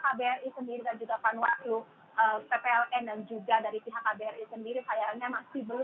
kbri sendiri dan juga panwaslu ppln dan juga dari pihak kbri sendiri sayangnya masih belum